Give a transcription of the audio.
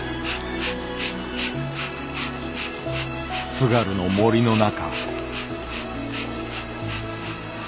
津軽の森の中。